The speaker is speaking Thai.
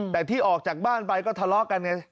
แต่ที่ออกจากบ้านไปก็ทะเลาะกันไง